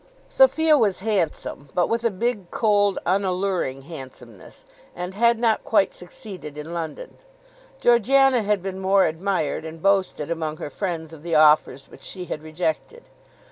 Sophia was handsome, but with a big, cold, unalluring handsomeness, and had not quite succeeded in London. Georgiana had been more admired, and boasted among her friends of the offers which she had rejected.